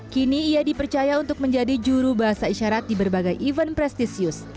kini ia dipercaya untuk menjadi juru bahasa isyarat di berbagai event prestisius